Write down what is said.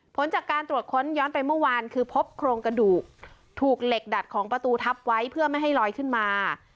ผลจากการตรวจค้นย้อนไปเมื่อวานคือพบโครงกระดูกถูกเหล็กดัดของประตูทับไว้เพื่อไม่ให้ลอยขึ้นมา